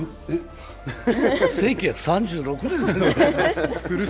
１９３６年ですからね。